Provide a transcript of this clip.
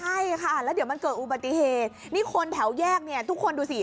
ใช่ค่ะแล้วเดี๋ยวมันเกิดอุบัติเหตุนี่คนแถวแยกเนี่ยทุกคนดูสิ